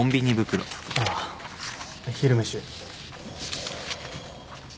ああ昼飯。